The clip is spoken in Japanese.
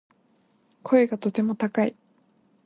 声がとても高い